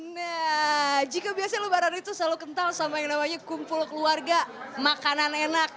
nah jika biasanya lebaran itu selalu kental sama yang namanya kumpul keluarga makanan enak